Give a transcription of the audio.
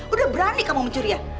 udah berani kamu mencuri ya